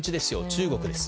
中国です。